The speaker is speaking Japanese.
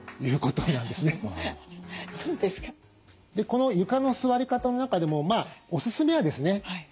この床の座り方の中でもおすすめはですね